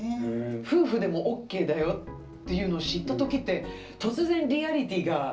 夫婦でもＯＫだよっていうのを知った時って突然リアリティーがね。